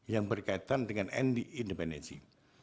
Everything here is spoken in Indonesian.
yang berkaitan dengan independensi